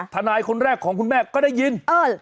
ทนายคนแรกของคุณแม่ก็ได้ยิน